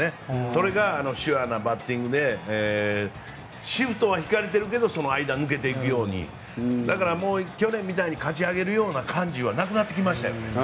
それがシュアなバッティングでシフトは敷かれているけどその間は抜けていけるようにだから、去年みたいにかち上げるような感じはなくなってきましたよね。